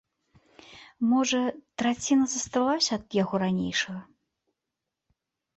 Можа, траціна засталося ад яго ранейшага.